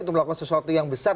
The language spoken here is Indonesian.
untuk melakukan sesuatu yang besar